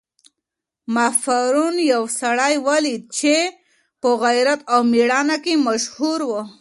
ما پرون یو سړی ولیدی چي په غیرت او مېړانه کي مشهور و.